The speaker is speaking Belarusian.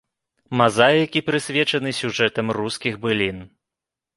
Мазаікі прысвечаны сюжэтам рускіх былін.